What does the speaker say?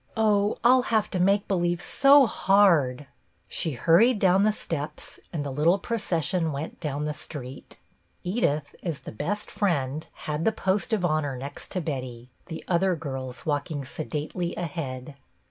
Oh, I 'll have to make believe so hard!" She hurried down the steps and the little procession went down the street. Edith, as the best friend, had the post of honor next to Betty, the other girls walking sedately ahead.